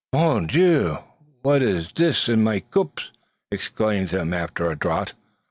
"Mon Dieu! what is dis in my cops?" exclaimed he, after a draught.